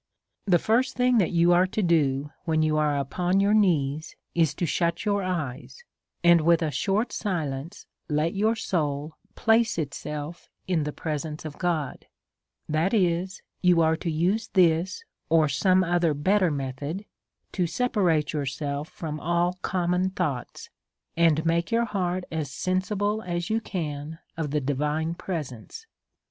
I The first thing that you are to do when you are DEVOUT AND HOLY LIFE. 173 upon your knees, is to shut your, eyes, and, with a \ short silence, let your soul place itself in the presence ^ of God ; that is, you are to use this or some other bet ter method to separate yourself from all common thoughts, and make your hearts as sensible as you can of the divine presence.